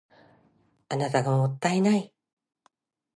あなたがもったいない